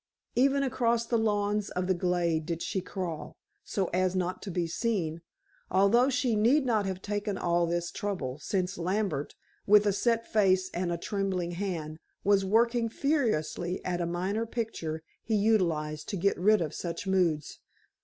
Even across the lawns of the glade did she crawl, so as not to be seen, although she need not have taken all this trouble, since Lambert, with a set face and a trembling hand, was working furiously at a minor picture he utilized to get rid of such moods.